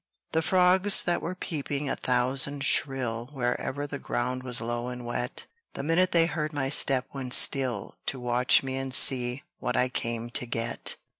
The frogs that were peeping a thousand shrill Wherever the ground was low and wet, The minute they heard my step went still To watch me and see what I came to get.